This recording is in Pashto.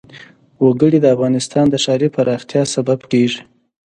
وګړي د افغانستان د ښاري پراختیا سبب کېږي.